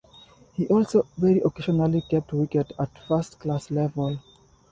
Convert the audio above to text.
He also very occasionally kept wicket at first-class level.